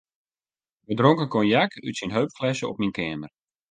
We dronken konjak út syn heupflesse op myn keamer.